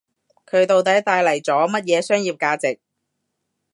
佢到底帶嚟咗乜嘢商業價值